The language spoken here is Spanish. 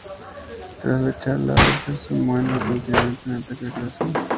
Tras la charla, Anderson muere repentinamente de un ataque al corazón.